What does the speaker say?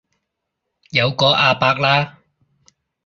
有個阿伯啦